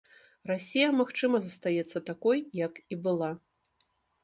Расія, магчыма, застаецца такой, як і была.